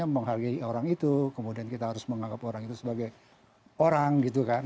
menghargai orang itu kemudian kita harus menganggap orang itu sebagai orang gitu kan